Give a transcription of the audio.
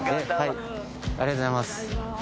ありがとうございます。